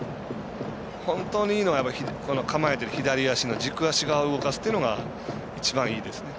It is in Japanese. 本当にいいのは構えている左足の軸足側を動かすというのが一番いいですね。